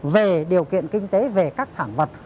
về điều kiện kinh tế về các sản vật